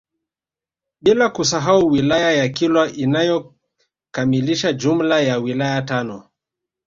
Bila kusahau wilaya ya Kilwa inayokamilisha jumla ya wilaya tano